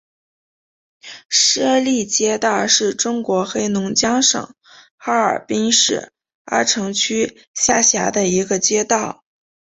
舍利街道是中国黑龙江省哈尔滨市阿城区下辖的一个街道。